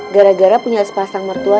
gara gara punya sepasang mertua